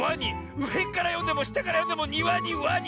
うえからよんでもしたからよんでもニワにワニ。